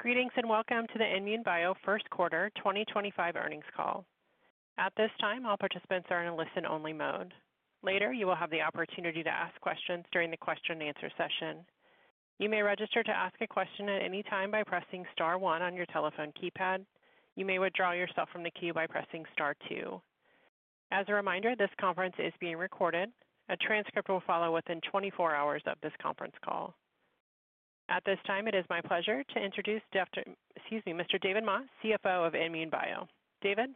Greetings and welcome to the INmune Bio first quarter 2025 earnings call. At this time, all participants are in a listen-only mode. Later, you will have the opportunity to ask questions during the question-and-answer session. You may register to ask a question at any time by pressing star one on your telephone keypad. You may withdraw yourself from the queue by pressing star two. As a reminder, this conference is being recorded. A transcript will follow within 24 hours of this conference call. At this time, it is my pleasure to introduce Dr. excuse me, Mr. David Moss, CFO of INmune Bio. David.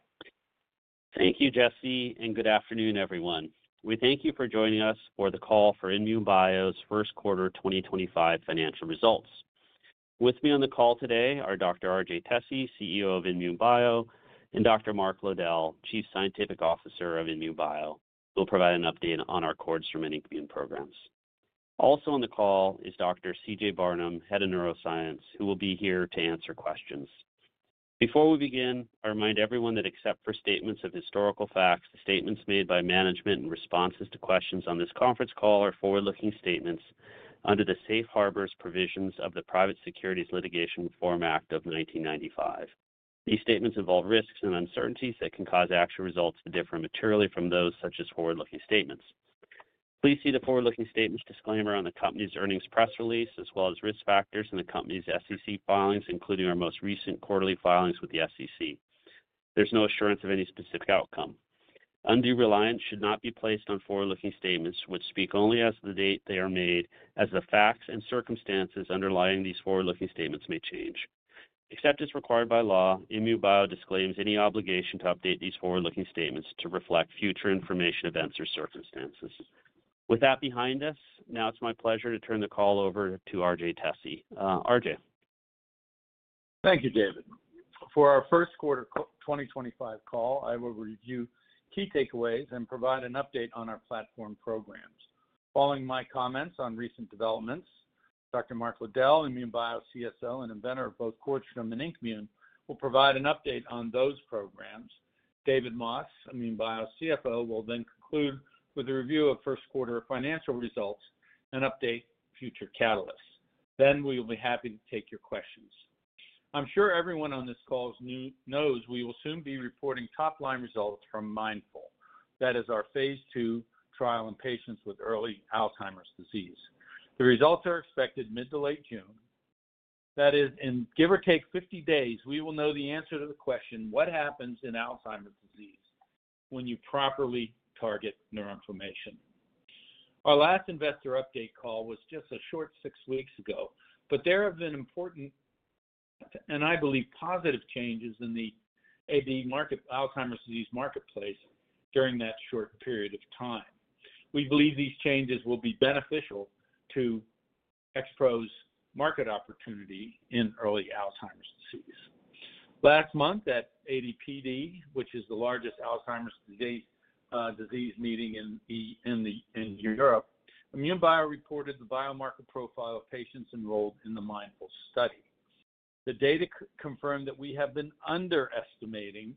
Thank you, Jesse, and good afternoon, everyone. We thank you for joining us for the call for INmune Bio's first quarter 2025 financial results. With me on the call today are Dr. RJ Tesi, CEO of INmune Bio, and Dr. Mark Lowdell, Chief Scientific Officer of INmune Bio, who will provide an update on our cord-surrounding immune programs. Also on the call is Dr. CJ Barnum, head of neuroscience, who will be here to answer questions. Before we begin, I remind everyone that except for statements of historical facts, the statements made by management and responses to questions on this conference call are forward-looking statements under the Safe Harbor provisions of the Private Securities Litigation Reform Act of 1995. These statements involve risks and uncertainties that can cause actual results to differ materially from those such as forward-looking statements. Please see the forward-looking statements disclaimer on the company's earnings press release, as well as risk factors in the company's SEC filings, including our most recent quarterly filings with the SEC. There's no assurance of any specific outcome. Undue reliance should not be placed on forward-looking statements, which speak only as of the date they are made, as the facts and circumstances underlying these forward-looking statements may change. Except as required by law, INmune Bio disclaims any obligation to update these forward-looking statements to reflect future information, events, or circumstances. With that behind us, now it's my pleasure to turn the call over to RJ Tesi. RJ. Thank you, David. For our first quarter 2025 call, I will review key takeaways and provide an update on our platform programs. Following my comments on recent developments, Dr. Mark Lowdell, INmune Bio CSO and inventor of both Cordstrom, will provide an update on those programs. David Moss, INmune Bio CFO, will then conclude with a review of first quarter financial results and update future catalysts. We will be happy to take your questions. I'm sure everyone on this call knows we will soon be reporting top-line results from MINDFuL. That is our phase 2 trial in patients with early Alzheimer's disease. The results are expected mid to late June. That is, in give or take 50 days, we will know the answer to the question, what happens in Alzheimer's disease when you properly target neuroinflammation. Our last investor update call was just a short six weeks ago, but there have been important and I believe positive changes in the Alzheimer's disease marketplace during that short period of time. We believe these changes will be beneficial to XPro's market opportunity in early Alzheimer's disease. Last month at AD/PD, which is the largest Alzheimer's disease meeting in Europe, INmune Bio reported the biomarker profile of patients enrolled in the MINDFuL study. The data confirmed that we have been underestimating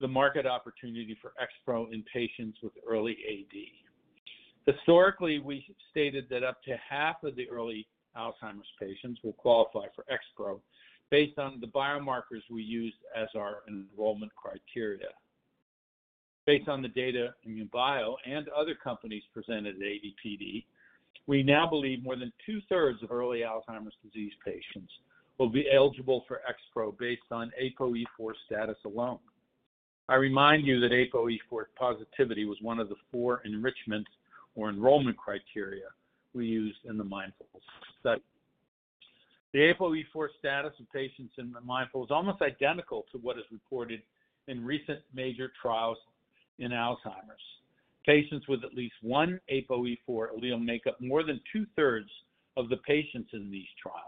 the market opportunity for XPro in patients with early AD. Historically, we stated that up to half of the early Alzheimer's patients will qualify for XPro based on the biomarkers we use as our enrollment criteria. Based on the data, INmune Bio and other companies presented at AD/PD, we now believe more than two-thirds of early Alzheimer's disease patients will be eligible for XPro based on APOE4 status alone. I remind you that APOE4 positivity was one of the four enrichment or enrollment criteria we used in the MINDFuL study. The APOE4 status of patients in the MINDFuL is almost identical to what is reported in recent major trials in Alzheimer's. Patients with at least one APOE4 allele make up more than two-thirds of the patients in these trials.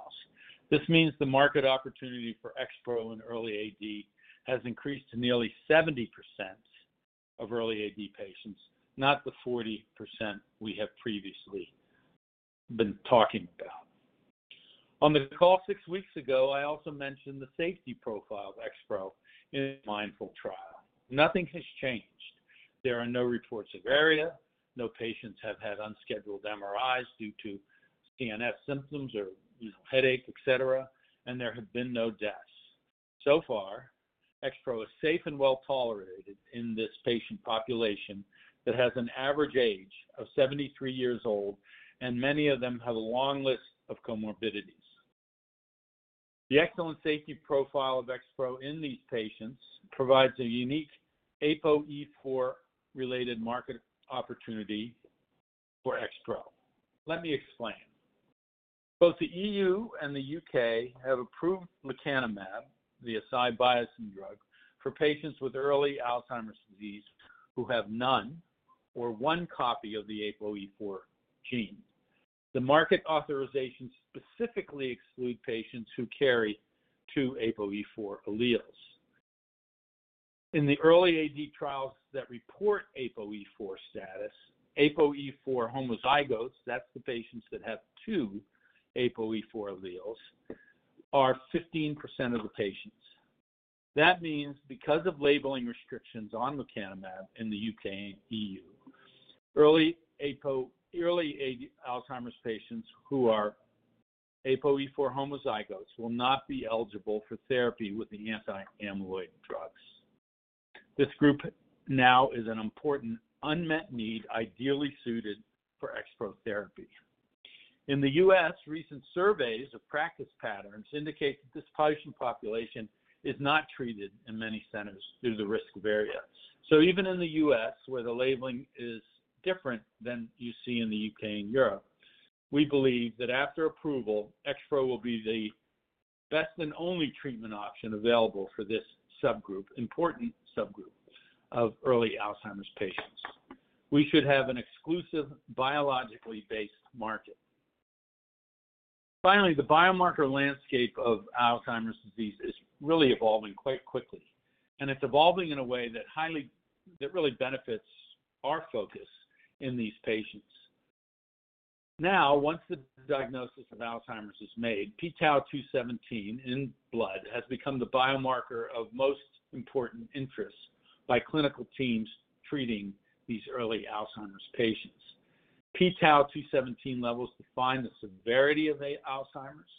This means the market opportunity for XPro in early AD has increased to nearly 70% of early AD patients, not the 40% we have previously been talking about. On the call six weeks ago, I also mentioned the safety profile of XPro in the MINDFuL trial. Nothing has changed. There are no reports of ARIA. No patients have had unscheduled MRIs due to CNS symptoms or headache, et cetera, and there have been no deaths. So far, XPro is safe and well tolerated in this patient population that has an average age of 73 years old, and many of them have a long list of comorbidities. The excellent safety profile of XPro in these patients provides a unique APOE4-related market opportunity for XPro. Let me explain. Both the EU and the U.K. have approved lecanemab, the Eisai Biogen drug, for patients with early Alzheimer's disease who have none or one copy of the APOE4 gene. The market authorizations specifically exclude patients who carry two APOE4 alleles. In the early AD trials that report APOE4 status, APOE4 homozygotes, that's the patients that have two APOE4 alleles, are 15% of the patients. That means because of labeling restrictions on lecanemab in the U.K. and EU, early AD Alzheimer's patients who are APOE4 homozygotes will not be eligible for therapy with the anti-amyloid drugs. This group now is an important unmet need, ideally suited for XPro therapy. In the U.S., recent surveys of practice patterns indicate that this patient population is not treated in many centers due to the risk of ARIA. Even in the U.S., where the labeling is different than you see in the U.K. and Europe, we believe that after approval, XPro will be the best and only treatment option available for this subgroup, important subgroup of early Alzheimer's patients. We should have an exclusive biologically based market. Finally, the biomarker landscape of Alzheimer's disease is really evolving quite quickly, and it's evolving in a way that really benefits our focus in these patients. Now, once the diagnosis of Alzheimer's is made, pTau217 in blood has become the biomarker of most important interest by clinical teams treating these early Alzheimer's patients. PTau217 levels define the severity of Alzheimer's.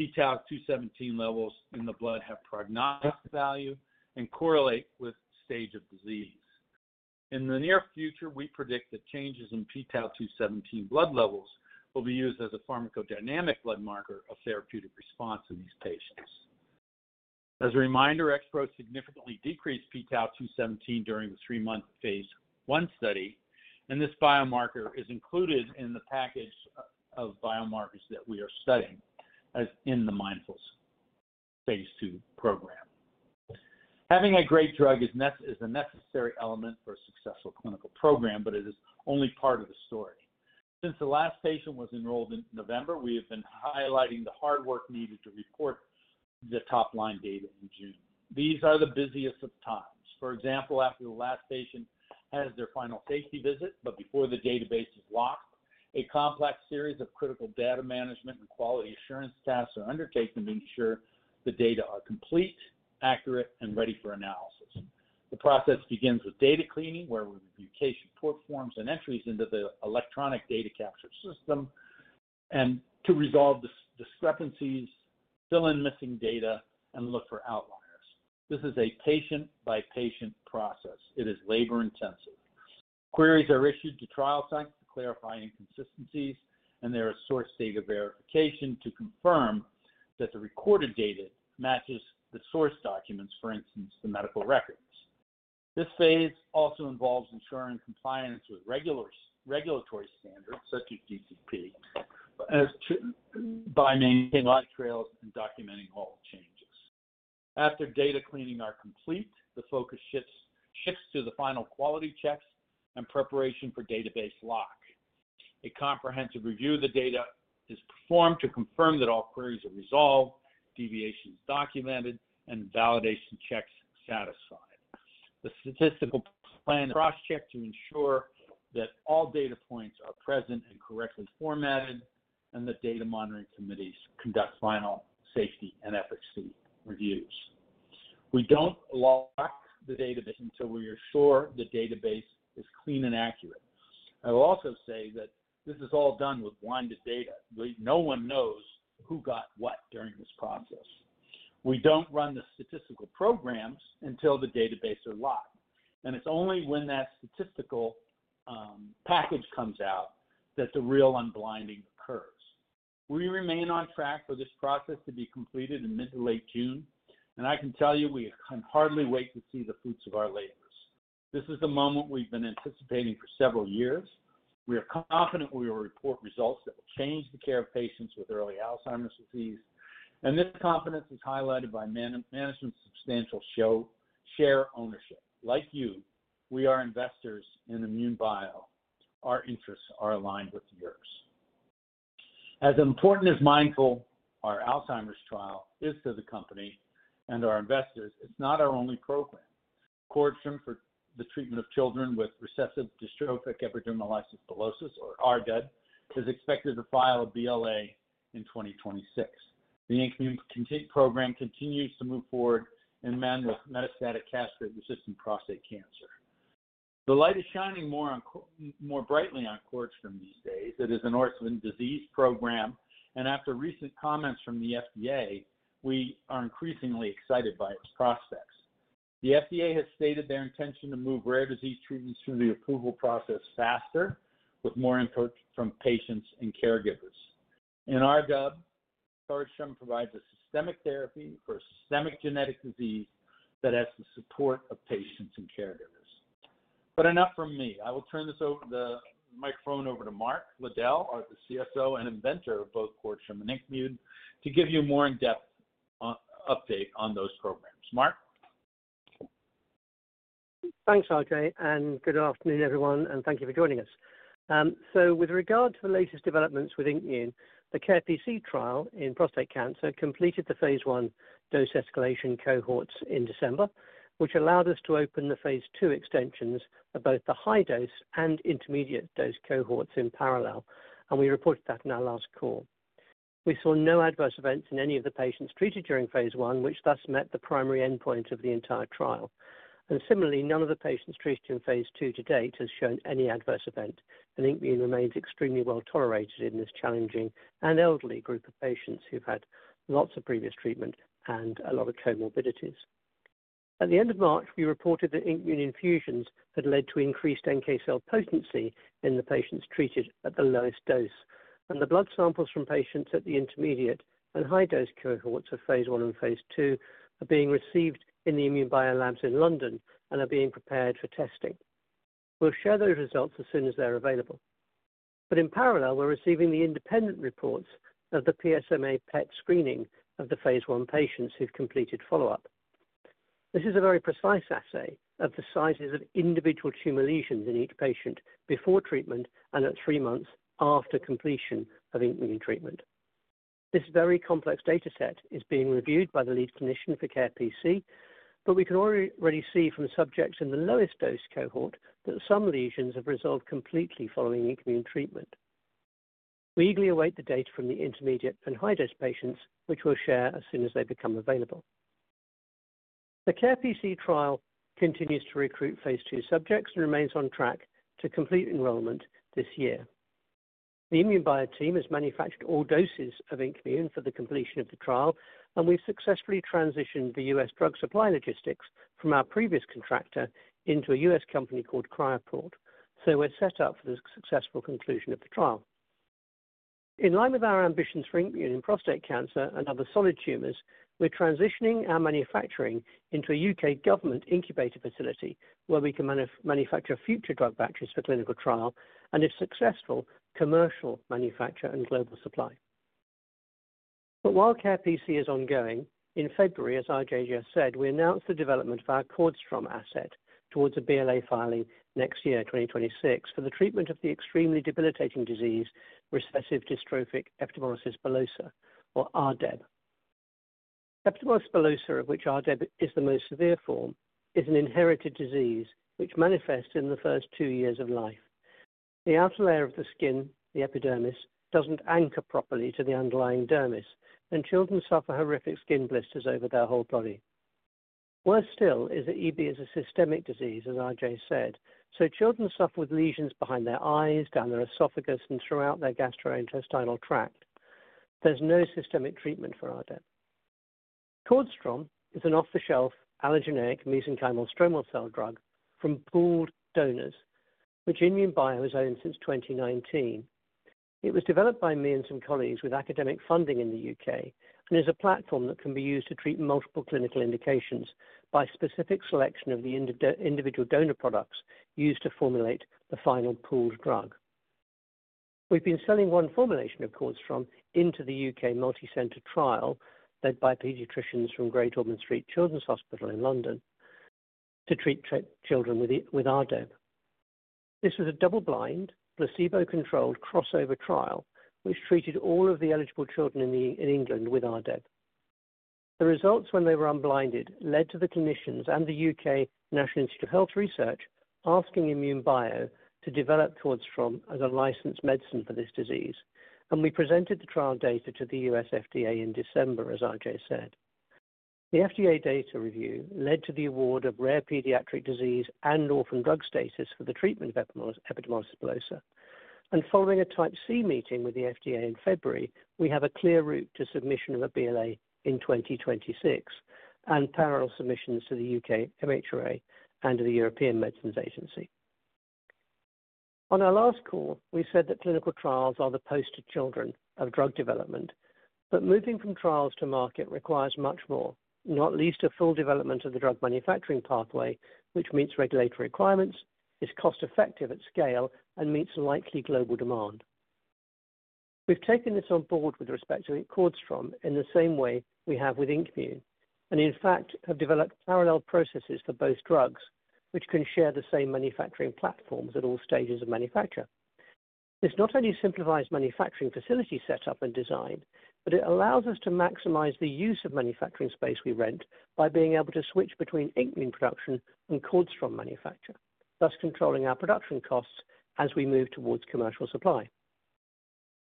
PTau217 levels in the blood have prognostic value and correlate with stage of disease. In the near future, we predict that changes in pTau217 blood levels will be used as a pharmacodynamic blood marker of therapeutic response in these patients. As a reminder, XPro significantly decreased pTau217 during the three-month phase one study, and this biomarker is included in the package of biomarkers that we are studying in the MINDFuL's phase two program. Having a great drug is a necessary element for a successful clinical program, but it is only part of the story. Since the last patient was enrolled in November, we have been highlighting the hard work needed to report the top-line data in June. These are the busiest of times. For example, after the last patient has their final safety visit, but before the database is locked, a complex series of critical data management and quality assurance tasks are undertaken to ensure the data are complete, accurate, and ready for analysis. The process begins with data cleaning, where we review patient port forms and entries into the electronic data capture system to resolve discrepancies, fill in missing data, and look for outliers. This is a patient-by-patient process. It is labor-intensive. Queries are issued to trial sites to clarify inconsistencies, and there is source data verification to confirm that the recorded data matches the source documents, for instance, the medical records. This phase also involves ensuring compliance with regulatory standards such as GCP by maintaining log trails and documenting all changes. After data cleaning are complete, the focus shifts to the final quality checks and preparation for database lock. A comprehensive review of the data is performed to confirm that all queries are resolved, deviations documented, and validation checks satisfied. The statistical plan cross-check to ensure that all data points are present and correctly formatted, and the data monitoring committees conduct final safety and efficacy reviews. We don't lock the database until we are sure the database is clean and accurate. I will also say that this is all done with blinded data. No one knows who got what during this process. We don't run the statistical programs until the database is locked, and it's only when that statistical package comes out that the real unblinding occurs. We remain on track for this process to be completed in mid to late June, and I can tell you we can hardly wait to see the fruits of our labors. This is the moment we've been anticipating for several years. We are confident we will report results that will change the care of patients with early Alzheimer's disease, and this confidence is highlighted by management's substantial share ownership. Like you, we are investors in INmune Bio. Our interests are aligned with yours. As important as MINDFuL, our Alzheimer's trial, is to the company and our investors, it's not our only program. Cordstrom for the treatment of children with recessive dystrophic epidermolysis bullosa, or RDEB, is expected to file a BLA in 2026. The program continues to move forward in men with metastatic castrate-resistant prostate cancer. The light is shining more brightly on Cordstrom these days. It is an orphan disease program, and after recent comments from the FDA, we are increasingly excited by its prospects. The FDA has stated their intention to move rare disease treatments through the approval process faster, with more input from patients and caregivers. In our group, Cordstrom provides a systemic therapy for a systemic genetic disease that has the support of patients and caregivers. Enough from me. I will turn the microphone over to Mark Lowdell, the CSO and inventor of both Cordstrom and INmune Bio to give you a more in-depth update on those programs. Mark. Thanks, RJ. Good afternoon, everyone, and thank you for joining us. With regard to the latest developments with Inmune, the CaRe PC trial in prostate cancer completed the phase one dose escalation cohorts in December, which allowed us to open the phase two extensions of both the high dose and intermediate dose cohorts in parallel, and we reported that in our last call. We saw no adverse events in any of the patients treated during phase one, which thus met the primary endpoint of the entire trial. Similarly, none of the patients treated in phase two to date has shown any adverse event, and Inmune remains extremely well tolerated in this challenging and elderly group of patients who've had lots of previous treatment and a lot of comorbidities. At the end of March, we reported that Inmune infusions had led to increased NK cell potency in the patients treated at the lowest dose, and the blood samples from patients at the intermediate and high dose cohorts of phase one and phase two are being received in the INmune Bio labs in London and are being prepared for testing. We'll share those results as soon as they're available. In parallel, we're receiving the independent reports of the PSMA PET screening of the phase one patients who've completed follow-up. This is a very precise assay of the sizes of individual tumor lesions in each patient before treatment and at three months after completion of Inmune treatment. This very complex data set is being reviewed by the lead clinician for CaRe PC, but we can already see from subjects in the lowest dose cohort that some lesions have resolved completely following Inmune treatment. We eagerly await the data from the intermediate and high dose patients, which we'll share as soon as they become available. The CaRePC trial continues to recruit phase two subjects and remains on track to complete enrollment this year. The INmune Bio team has manufactured all doses of Inmune for the completion of the trial, and we've successfully transitioned the US drug supply logistics from our previous contractor into a US company called Cryoport. We are set up for the successful conclusion of the trial. In line with our ambitions for INmune in prostate cancer and other solid tumors, we're transitioning our manufacturing into a U.K. government incubator facility where we can manufacture future drug batches for clinical trial and, if successful, commercial manufacture and global supply. While CaRePC is ongoing, in February, as RJ just said, we announced the development of our Cordstrom asset towards a BLA filing next year, 2026, for the treatment of the extremely debilitating disease recessive dystrophic epidermolysis bullosa, or RDEB. Epidermolysis bullosa, of which RDEB is the most severe form, is an inherited disease which manifests in the first two years of life. The outer layer of the skin, the epidermis, does not anchor properly to the underlying dermis, and children suffer horrific skin blisters over their whole body. Worse still is that EB is a systemic disease, as RJ said, so children suffer with lesions behind their eyes, down their esophagus, and throughout their gastrointestinal tract. There's no systemic treatment for RDEB. Cordstrom is an off-the-shelf allogeneic mesenchymal stromal cell drug from pooled donors, which INmune Bio has owned since 2019. It was developed by me and some colleagues with academic funding in the U.K. and is a platform that can be used to treat multiple clinical indications by specific selection of the individual donor products used to formulate the final pooled drug. We've been supplying one formulation of Cordstrom into the U.K. multi-center trial led by pediatricians from Great Ormond Street Children's Hospital in London to treat children with RDEB. This was a double-blind, placebo-controlled crossover trial which treated all of the eligible children in England with RDEB. The results, when they were unblinded, led to the clinicians and the U.K. National Institute of Health Research asking INmune Bio to develop Cordstrom as a licensed medicine for this disease, and we presented the trial data to the U.S. FDA in December, as RJ said. The FDA data review led to the award of rare pediatric disease and orphan drug status for the treatment of epidermolysis bullosa, and following a type C meeting with the FDA in February, we have a clear route to submission of a BLA in 2026 and parallel submissions to the U.K. MHRA and to the European Medicines Agency. On our last call, we said that clinical trials are the poster children of drug development, but moving from trials to market requires much more, not least a full development of the drug manufacturing pathway, which meets regulatory requirements, is cost-effective at scale, and meets likely global demand. We've taken this on board with respect to Cordstrom in the same way we have with Inmune, and in fact, have developed parallel processes for both drugs which can share the same manufacturing platforms at all stages of manufacture. This not only simplifies manufacturing facility setup and design, but it allows us to maximize the use of manufacturing space we rent by being able to switch between Inmune production and Cordstrom manufacture, thus controlling our production costs as we move towards commercial supply.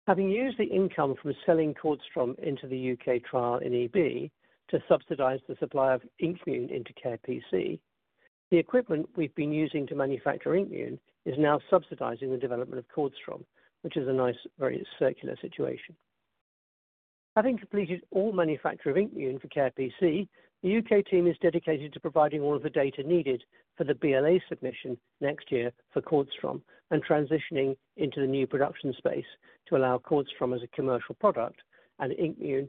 Having used the income from selling Cordstrom into the U.K. trial in RDEB to subsidize the supply of CNDO-109 into CaRePC, the equipment we've been using to manufacture CNDO-109 is now subsidizing the development of Cordstrom, which is a nice, very circular situation. Having completed all manufacturing of CNDO-109 for CaRe PC, the U.K. team is dedicated to providing all of the data needed for the BLA submission next year for Cordstrom and transitioning into the new production space to allow Cordstrom as a commercial product and CNDO-109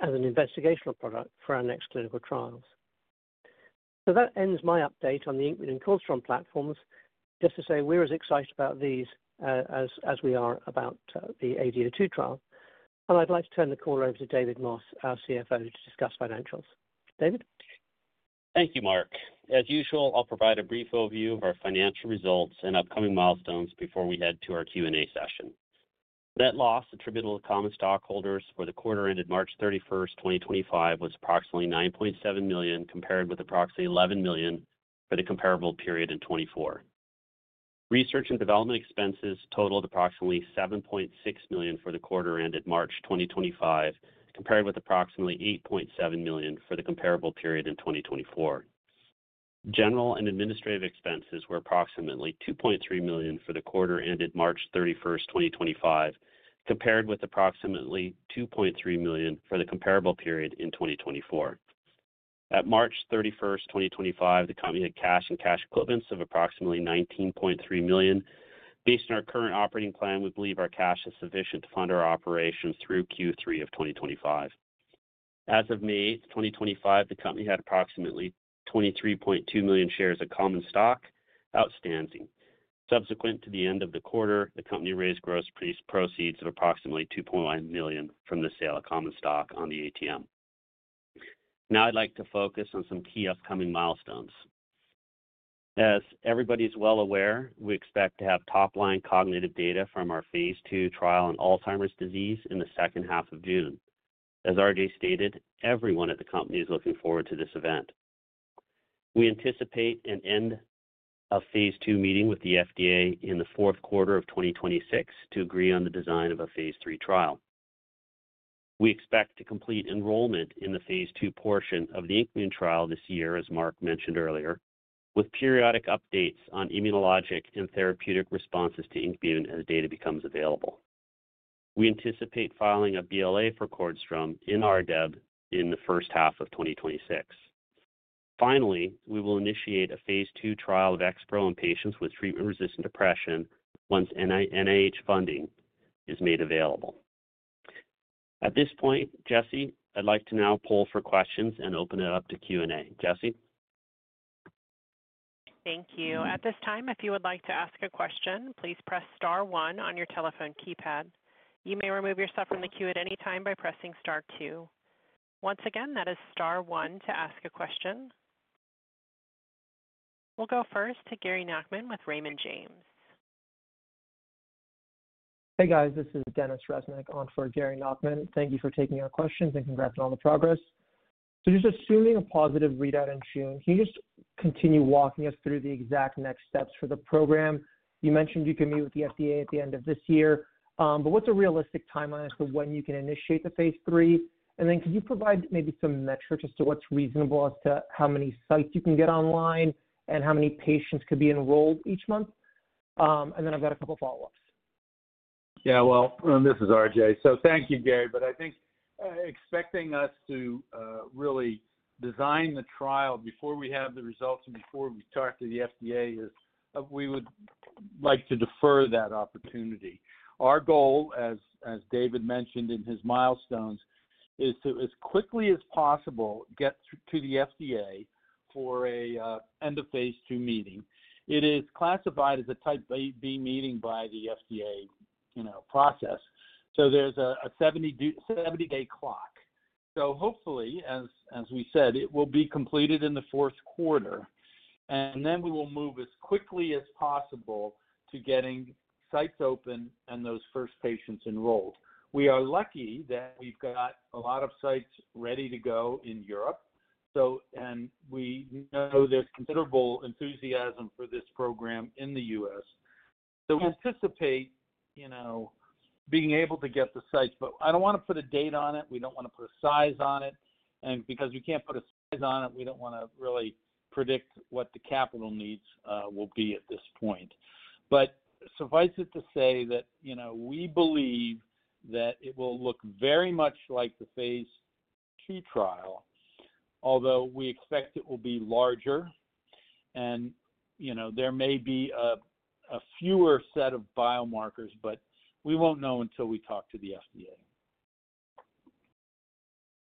as an investigational product for our next clinical trials. That ends my update on the CNDO-109 and Cordstrom platforms, just to say we're as excited about these as we are about the ADO2 trial, and I'd like to turn the call over to David Moss, our CFO, to discuss financials. David. Thank you, Mark. As usual, I'll provide a brief overview of our financial results and upcoming milestones before we head to our Q&A session. Net loss attributable to common stockholders for the quarter ended March 31st, 2025, was approximately $9.7 million compared with approximately $11 million for the comparable period in 2024. Research and development expenses totaled approximately $7.6 million for the quarter ended March 2025, compared with approximately $8.7 million for the comparable period in 2024. General and administrative expenses were approximately $2.3 million for the quarter ended March 31st, 2025, compared with approximately $2.3 million for the comparable period in 2024. At March 31st, 2025, the company had cash and cash equivalents of approximately $19.3 million. Based on our current operating plan, we believe our cash is sufficient to fund our operations through Q3 of 2025. As of May 8th, 2025, the company had approximately 23.2 million shares of common stock outstanding. Subsequent to the end of the quarter, the company raised gross proceeds of approximately $2.1 million from the sale of common stock on the ATM. Now I'd like to focus on some key upcoming milestones. As everybody's well aware, we expect to have top-line cognitive data from our phase two trial on Alzheimer's disease in the second half of June. As RJ stated, everyone at the company is looking forward to this event. We anticipate an end of phase two meeting with the FDA in the fourth quarter of 2026 to agree on the design of a phase three trial. We expect to complete enrollment in the phase two portion of the Inmune trial this year, as Mark mentioned earlier, with periodic updates on immunologic and therapeutic responses to Inmune as data becomes available. We anticipate filing a BLA for Cordstrom in RDEB in the first half of 2026. Finally, we will initiate a phase two trial of XPro in patients with treatment-resistant depression once NIH funding is made available. At this point, Jessie, I'd like to now pull for questions and open it up to Q&A. Jessie. Thank you. At this time, if you would like to ask a question, please press star one on your telephone keypad. You may remove yourself from the queue at any time by pressing star two. Once again, that is star one to ask a question. We'll go first to Gary Nachman with Raymond James. Hey, guys. This is Denis Reznik on for Gary Nachman. Thank you for taking our questions and congrats on all the progress. Just assuming a positive readout in June, can you just continue walking us through the exact next steps for the program? You mentioned you can meet with the FDA at the end of this year, but what's a realistic timeline as to when you can initiate the phase three? Could you provide maybe some metrics as to what's reasonable as to how many sites you can get online and how many patients could be enrolled each month? I've got a couple of follow-ups. Yeah, this is RJ. Thank you, Gary. I think expecting us to really design the trial before we have the results and before we talk to the FDA is, we would like to defer that opportunity. Our goal, as David mentioned in his milestones, is to, as quickly as possible, get to the FDA for an end of phase two meeting. It is classified as a type B meeting by the FDA process. There is a 70-day clock. Hopefully, as we said, it will be completed in the fourth quarter, and then we will move as quickly as possible to getting sites open and those first patients enrolled. We are lucky that we have got a lot of sites ready to go in Europe, and we know there is considerable enthusiasm for this program in the U.S. We anticipate being able to get the sites, but I don't want to put a date on it. We don't want to put a size on it. Because we can't put a size on it, we don't want to really predict what the capital needs will be at this point. Suffice it to say that we believe that it will look very much like the phase two trial, although we expect it will be larger, and there may be a fewer set of biomarkers, but we won't know until we talk to the FDA.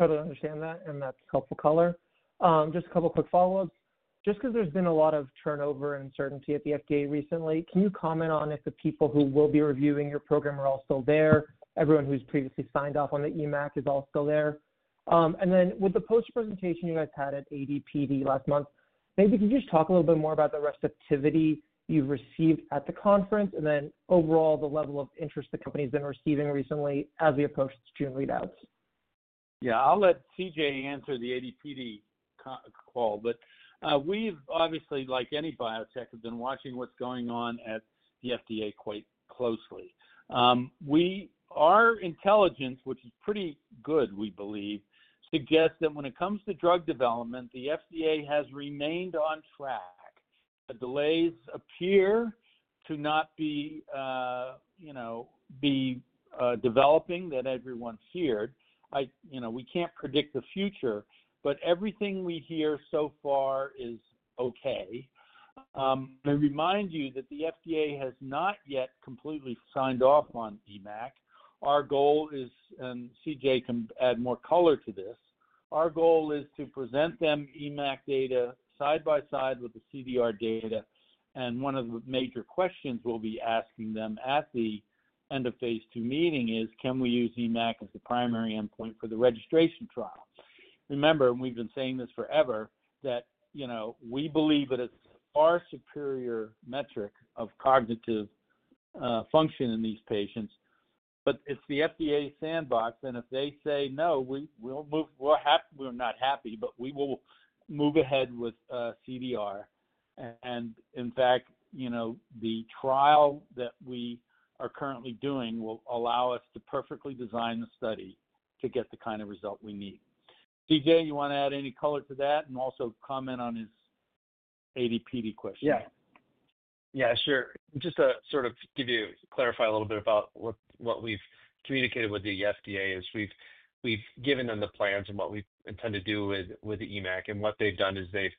I totally understand that, and that's helpful color. Just a couple of quick follow-ups. Just because there's been a lot of turnover and uncertainty at the FDA recently, can you comment on if the people who will be reviewing your program are all still there? Everyone who's previously signed off on the EMAC is all still there? With the poster presentation you guys had at AD/PD last month, maybe could you just talk a little bit more about the receptivity you've received at the conference and then overall the level of interest the company's been receiving recently as we approach the June readouts? Yeah, I'll let CJ answer the AD/PD call, but we've obviously, like any biotech, have been watching what's going on at the FDA quite closely. Our intelligence, which is pretty good, we believe, suggests that when it comes to drug development, the FDA has remained on track. The delays appear to not be developing that everyone feared. We can't predict the future, but everything we hear so far is okay. I remind you that the FDA has not yet completely signed off on EMAC. Our goal is, and CJ can add more color to this, our goal is to present them EMAC data side by side with the CDR data, and one of the major questions we'll be asking them at the end of phase two meeting is, can we use EMAC as the primary endpoint for the registration trial? Remember, and we've been saying this forever, that we believe that it's a far superior metric of cognitive function in these patients, but it's the FDA sandbox, and if they say no, we're not happy, but we will move ahead with CDR. In fact, the trial that we are currently doing will allow us to perfectly design the study to get the kind of result we need. CJ, you want to add any color to that and also comment on his AD/PD question? Yeah. Yeah, sure. Just to sort of clarify a little bit about what we've communicated with the FDA is we've given them the plans and what we intend to do with the EMAC, and what they've done is they've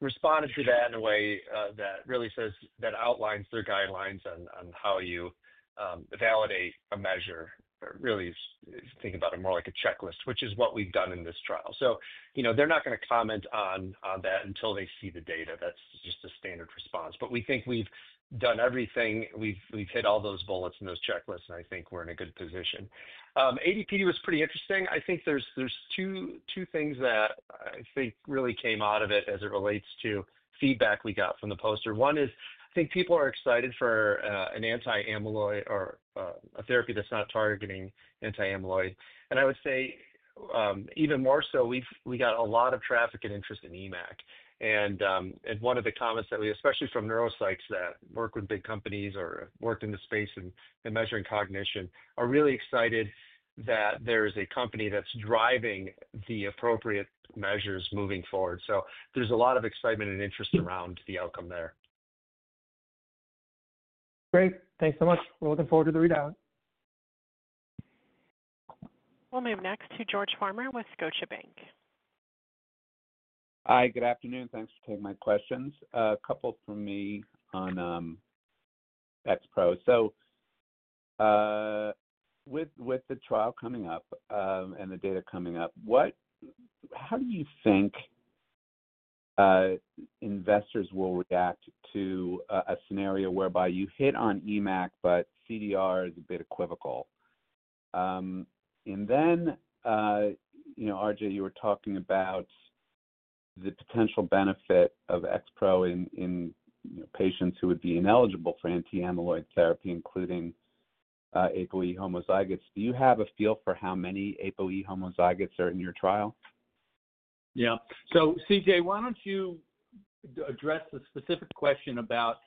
responded to that in a way that really outlines their guidelines on how you validate a measure, really think about it more like a checklist, which is what we've done in this trial. They are not going to comment on that until they see the data. That's just a standard response. We think we've done everything. We've hit all those bullets in those checklists, and I think we're in a good position. AD/PD was pretty interesting. I think there's two things that I think really came out of it as it relates to feedback we got from the poster. One is I think people are excited for an anti-amyloid or a therapy that's not targeting anti-amyloid. I would say even more so, we got a lot of traffic and interest in EMAC, and one of the comments that we, especially from neuropsychs that work with big companies or worked in the space and measuring cognition, are really excited that there is a company that's driving the appropriate measures moving forward. There is a lot of excitement and interest around the outcome there. Great. Thanks so much. We're looking forward to the readout. We'll move next to George Farmer with Scotiabank. Hi, good afternoon. Thanks for taking my questions. A couple from me on XPro. With the trial coming up and the data coming up, how do you think investors will react to a scenario whereby you hit on EMAC, but CDR is a bit equivocal? RJ, you were talking about the potential benefit of XPro in patients who would be ineligible for anti-amyloid therapy, including APOE4 homozygous. Do you have a feel for how many APOE4 homozygous are in your trial? Yeah. So CJ, why don't you address the specific question about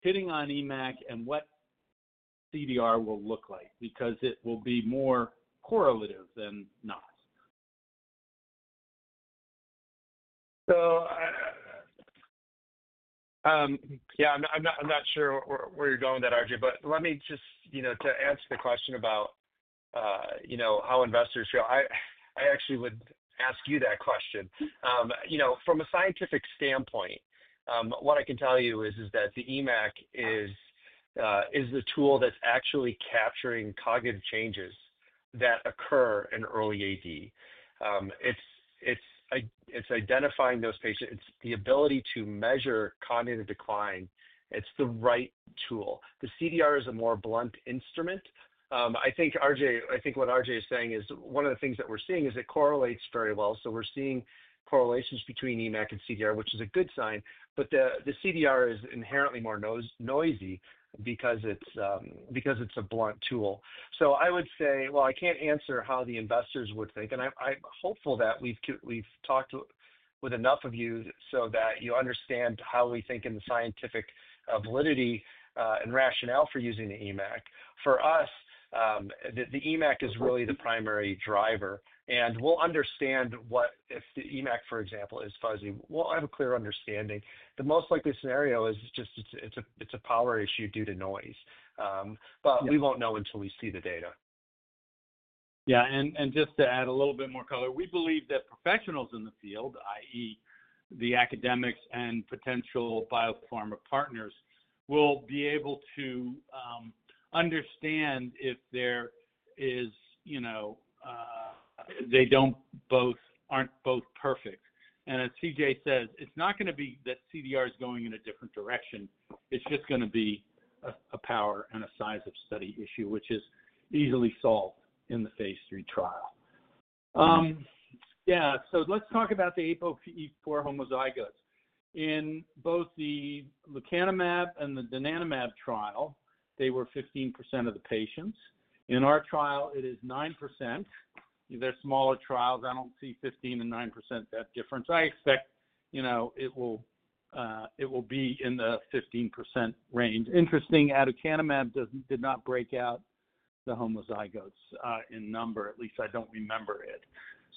hitting on EMAC and what CDR will look like because it will be more correlative than not? Yeah, I'm not sure where you're going with that, RJ, but let me just to answer the question about how investors feel, I actually would ask you that question. From a scientific standpoint, what I can tell you is that the EMAC is the tool that's actually capturing cognitive changes that occur in early AD. It's identifying those patients. It's the ability to measure cognitive decline. It's the right tool. The CDR is a more blunt instrument. I think what RJ is saying is one of the things that we're seeing is it correlates very well. We're seeing correlations between EMAC and CDR, which is a good sign, but the CDR is inherently more noisy because it's a blunt tool. I would say, I can't answer how the investors would think, and I'm hopeful that we've talked with enough of you so that you understand how we think in the scientific validity and rationale for using the EMAC. For us, the EMAC is really the primary driver, and we'll understand what if the EMAC, for example, is fuzzy. We'll have a clear understanding. The most likely scenario is just it's a power issue due to noise, but we won't know until we see the data. Yeah. And just to add a little bit more color, we believe that professionals in the field, i.e., the academics and potential biopharma partners, will be able to understand if they do not both are not both perfect. As CJ says, it is not going to be that CDR is going in a different direction. It is just going to be a power and a size of study issue, which is easily solved in the phase three trial. Yeah. Let's talk about the APOE4 homozygous. In both the lecanemab and the donanemab trial, they were 15% of the patients. In our trial, it is 9%. They are smaller trials. I do not see 15% and 9% that difference. I expect it will be in the 15% range. Interesting, aducanumab did not break out the homozygotes in number. At least I do not remember it.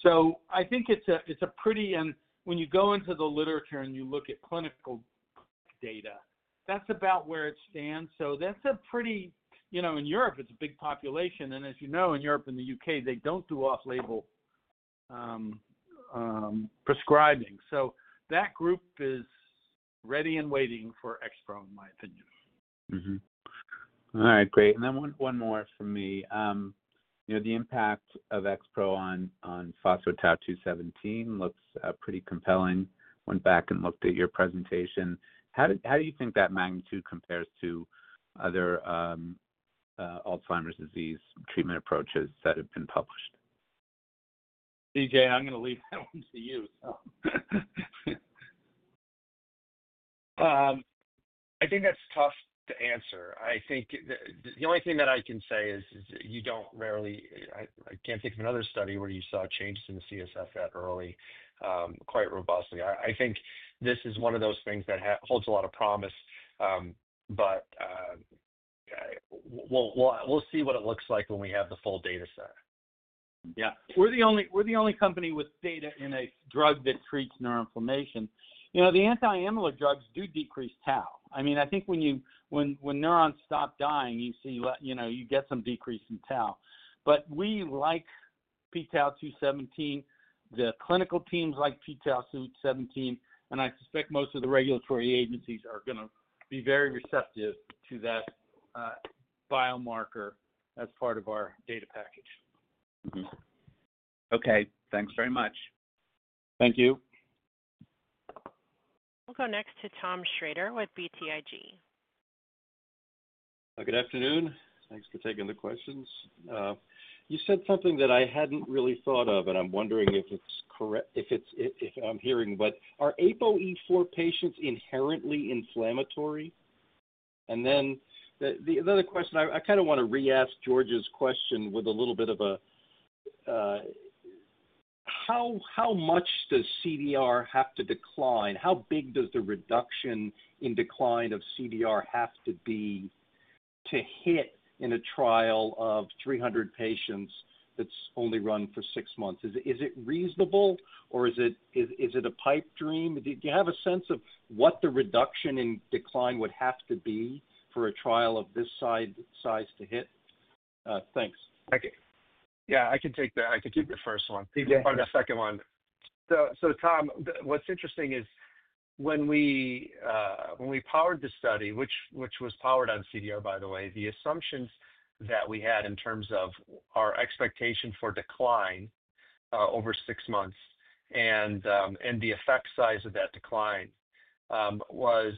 I think it's a pretty, and when you go into the literature and you look at clinical data, that's about where it stands. That's a pretty, in Europe, it's a big population. And as you know, in Europe and the U.K., they don't do off-label prescribing. That group is ready and waiting for XPro, in my opinion. All right. Great. And then one more from me. The impact of XPro on p-tau-217 looks pretty compelling. Went back and looked at your presentation. How do you think that magnitude compares to other Alzheimer's disease treatment approaches that have been published? CJ, I'm going to leave that one to you. I think that's tough to answer. I think the only thing that I can say is you don't rarely, I can't think of another study where you saw changes in the CSF that early quite robustly. I think this is one of those things that holds a lot of promise, but we'll see what it looks like when we have the full data set. Yeah. We're the only company with data in a drug that treats neuroinflammation. The anti-amyloid drugs do decrease tau. I mean, I think when neurons stop dying, you see you get some decrease in tau. But we like p-tau-217. The clinical teams like p-tau-217, and I suspect most of the regulatory agencies are going to be very receptive to that biomarker as part of our data package. Okay. Thanks very much. Thank you. We'll go next to Tom Shrader with BTIG. Good afternoon. Thanks for taking the questions. You said something that I had not really thought of, and I am wondering if it is correct if I am hearing, what, are APOE4 patients inherently inflammatory? The other question, I kind of want to re-ask George's question with a little bit of a how much does CDR have to decline? How big does the reduction in decline of CDR have to be to hit in a trial of 300 patients that is only run for six months? Is it reasonable, or is it a pipe dream? Do you have a sense of what the reduction in decline would have to be for a trial of this size to hit? Thanks. Thank you. Yeah, I can take the first one. CJ? Or the second one. Tom, what's interesting is when we powered the study, which was powered on CDR, by the way, the assumptions that we had in terms of our expectation for decline over six months and the effect size of that decline was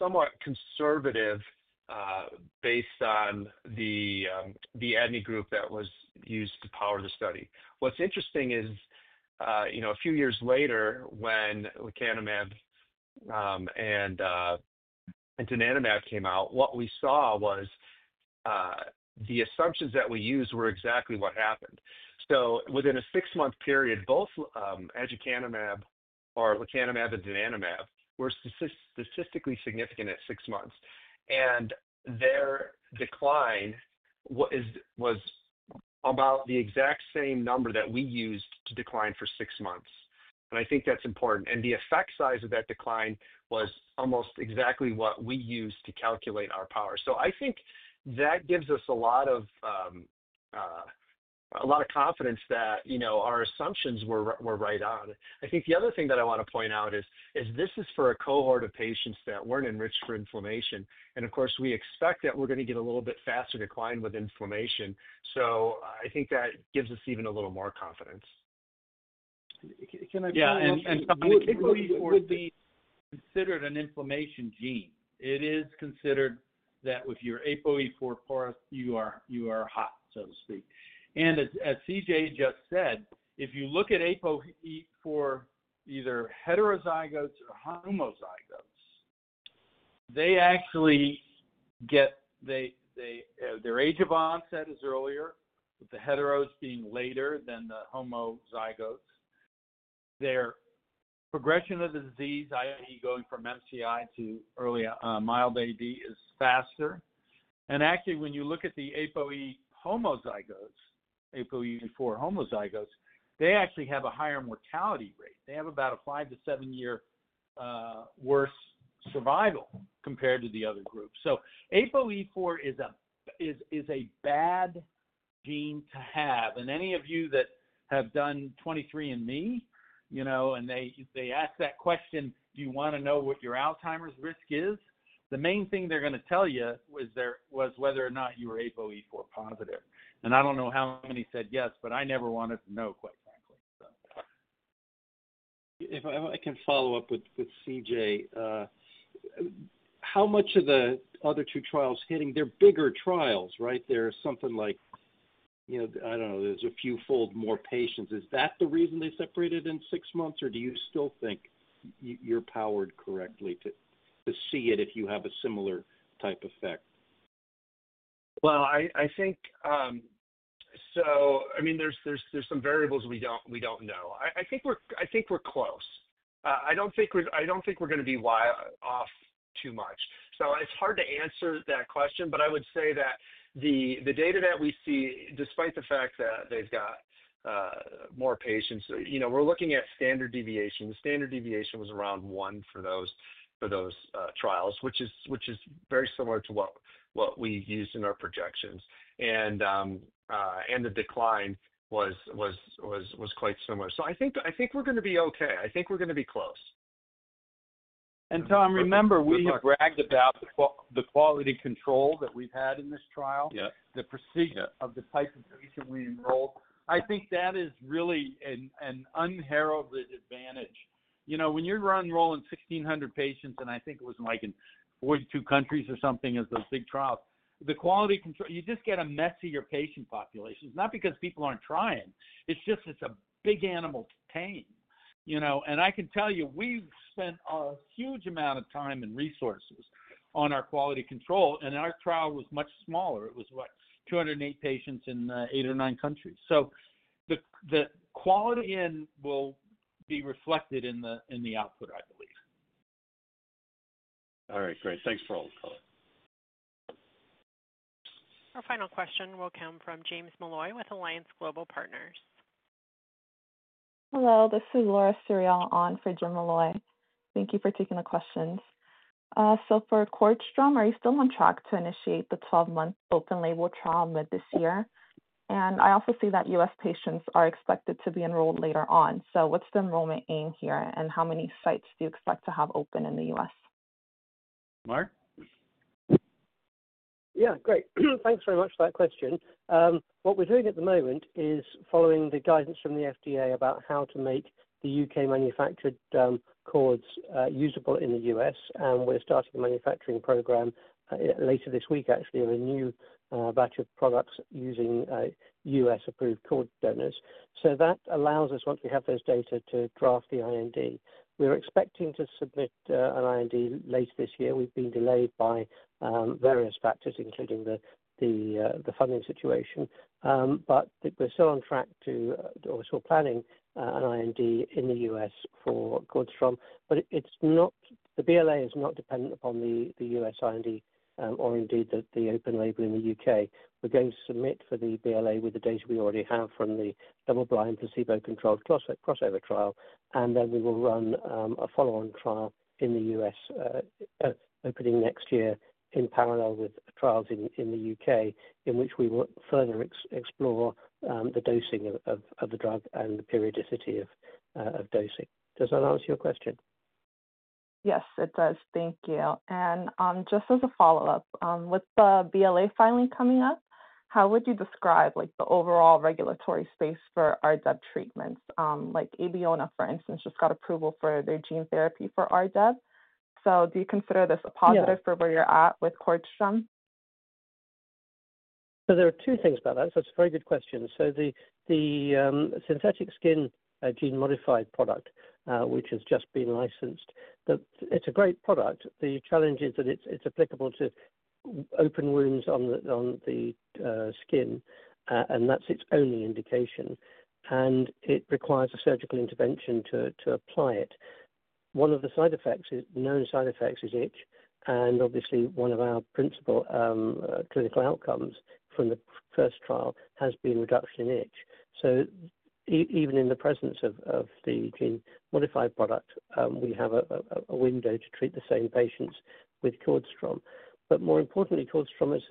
somewhat conservative based on the aducanumab group that was used to power the study. What's interesting is a few years later when lecanemab and donanemab came out, what we saw was the assumptions that we used were exactly what happened. Within a six-month period, both aducanumab or lecanemab and donanemab were statistically significant at six months, and their decline was about the exact same number that we used to decline for six months. I think that's important. The effect size of that decline was almost exactly what we used to calculate our power. I think that gives us a lot of confidence that our assumptions were right on. I think the other thing that I want to point out is this is for a cohort of patients that were not enriched for inflammation, and of course, we expect that we are going to get a little bit faster decline with inflammation. I think that gives us even a little more confidence. Yeah. Something that ApoE4 would be considered is an inflammation gene. It is considered that with your ApoE4, you are hot, so to speak. As CJ just said, if you look at ApoE4, either heterozygotes or homozygotes, they actually get their age of onset earlier, with the heteros being later than the homozygotes. Their progression of the disease, i.e., going from MCI to early mild AD, is faster. Actually, when you look at the ApoE4 homozygotes, they have a higher mortality rate. They have about a five- to seven-year worse survival compared to the other group. ApoE4 is a bad gene to have. Any of you that have done 23andMe and they ask that question, "Do you want to know what your Alzheimer's risk is?" the main thing they're going to tell you was whether or not you were ApoE4 positive. I do not know how many said yes, but I never wanted to know, quite frankly. If I can follow up with CJ, how much of the other two trials hitting, they are bigger trials, right? They are something like, I do not know, there are a few fold more patients. Is that the reason they separated in six months, or do you still think you are powered correctly to see it if you have a similar type effect? I think so. I mean, there's some variables we don't know. I think we're close. I don't think we're going to be off too much. It's hard to answer that question, but I would say that the data that we see, despite the fact that they've got more patients, we're looking at standard deviation. The standard deviation was around one for those trials, which is very similar to what we used in our projections. The decline was quite similar. I think we're going to be okay. I think we're going to be close. Tom, remember, we have bragged about the quality control that we've had in this trial, the precision of the type of patient we enrolled. I think that is really an unheralded advantage. When you're enrolling 1,600 patients, and I think it was like in 42 countries or something as those big trials, the quality control, you just get a messier patient population. It's not because people aren't trying. It's just it's a big animal to tame. I can tell you, we've spent a huge amount of time and resources on our quality control, and our trial was much smaller. It was, what, 208 patients in eight or nine countries. The quality will be reflected in the output, I believe. All right. Great. Thanks for all the color. Our final question will come from James Molloy with Alliance Global Partners. Hello. This is Laura Suriel on for James Molloy. Thank you for taking the questions. For Cordstrom, are you still on track to initiate the 12-month open-label trial mid this year? I also see that U.S. patients are expected to be enrolled later on. What is the enrollment aim here, and how many sites do you expect to have open in the U.S.? Mark? Yeah. Great. Thanks very much for that question. What we're doing at the moment is following the guidance from the FDA about how to make the U.K.-manufactured cords usable in the U.S. We're starting a manufacturing program later this week, actually, of a new batch of products using U.S.-approved cord donors. That allows us, once we have those data, to draft the IND. We're expecting to submit an IND later this year. We've been delayed by various factors, including the funding situation. We're still on track to, or we're still planning an IND in the U.S. for Cordstrom. The BLA is not dependent upon the U.S. IND or indeed the open label in the U.K. We're going to submit for the BLA with the data we already have from the double-blind placebo-controlled crossover trial. We will run a follow-on trial in the U.S. opening next year in parallel with trials in the U.K., in which we will further explore the dosing of the drug and the periodicity of dosing. Does that answer your question? Yes, it does. Thank you. Just as a follow-up, with the BLA filing coming up, how would you describe the overall regulatory space for RDEB treatments? Like Abeona, for instance, just got approval for their gene therapy for RDEB. Do you consider this a positive for where you're at with Cordstrom? There are two things about that. It is a very good question. The synthetic skin gene-modified product, which has just been licensed, is a great product. The challenge is that it is applicable to open wounds on the skin, and that is its only indication. It requires a surgical intervention to apply it. One of the known side effects is itch. Obviously, one of our principal clinical outcomes from the first trial has been reduction in itch. Even in the presence of the gene-modified product, we have a window to treat the same patients with Cordstrom. More importantly, Cordstrom is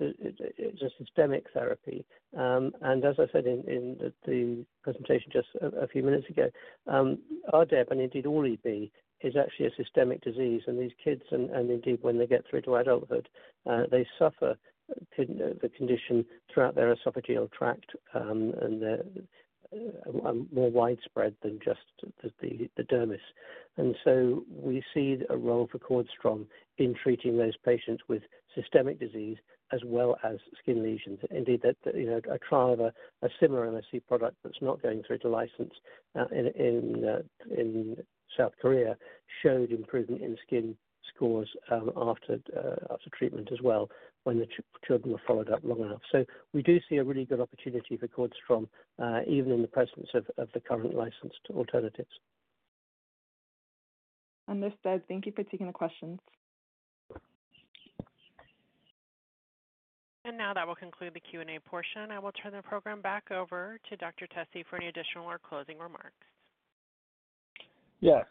a systemic therapy. As I said in the presentation just a few minutes ago, RDEB, and indeed all EB, is actually a systemic disease. These kids, and indeed when they get through to adulthood, suffer the condition throughout their esophageal tract, and it is more widespread than just the dermis. We see a role for Cordstrom in treating those patients with systemic disease as well as skin lesions. Indeed, a trial of a similar MSC product that is not going through to license in South Korea showed improvement in skin scores after treatment as well when the children were followed up long enough. We do see a really good opportunity for Cordstrom, even in the presence of the current licensed alternatives. Understood. Thank you for taking the questions. That will conclude the Q&A portion. I will turn the program back over to Dr. Tesi for any additional or closing remarks. Yes.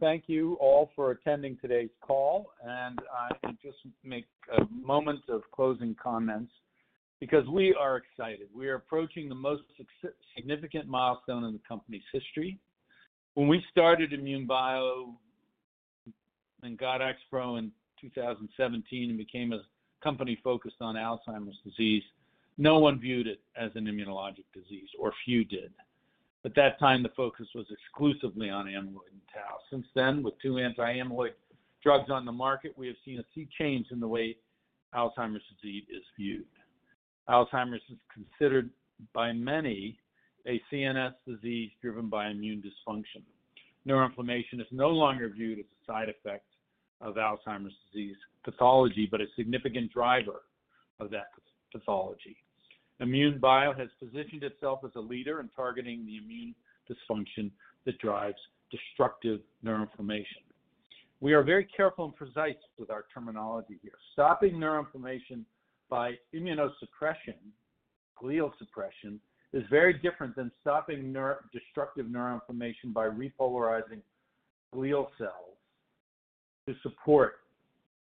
Thank you all for attending today's call. I just make a moment of closing comments because we are excited. We are approaching the most significant milestone in the company's history. When we started INmune Bio and got XPro in 2017 and became a company focused on Alzheimer's disease, no one viewed it as an immunologic disease, or few did. At that time, the focus was exclusively on amyloid and tau. Since then, with two anti-amyloid drugs on the market, we have seen a sea change in the way Alzheimer's disease is viewed. Alzheimer's is considered by many a CNS disease driven by immune dysfunction. Neuroinflammation is no longer viewed as a side effect of Alzheimer's disease pathology, but a significant driver of that pathology. INmune Bio has positioned itself as a leader in targeting the immune dysfunction that drives destructive neuroinflammation. We are very careful and precise with our terminology here. Stopping neuroinflammation by immunosuppression, glial suppression, is very different than stopping destructive neuroinflammation by repolarizing glial cells to support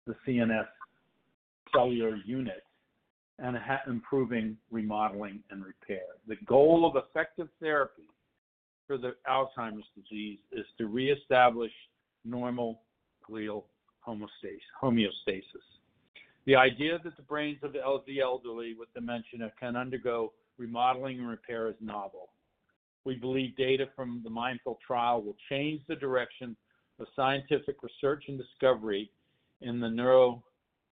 the CNS cellular unit and improving remodeling and repair. The goal of effective therapy for the Alzheimer's disease is to reestablish normal glial homeostasis. The idea that the brains of the elderly with dementia can undergo remodeling and repair is novel. We believe data from the MINDFuL trial will change the direction of scientific research and discovery in the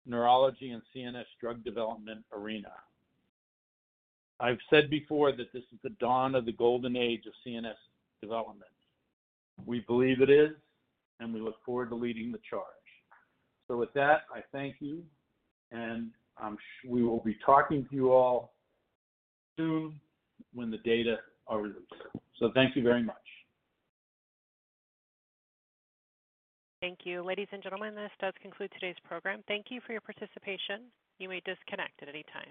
neurology and CNS drug development arena. I've said before that this is the dawn of the golden age of CNS development. We believe it is, and we look forward to leading the charge. With that, I thank you, and we will be talking to you all soon when the data are released. Thank you very much. Thank you. Ladies and gentlemen, this does conclude today's program. Thank you for your participation. You may disconnect at any time.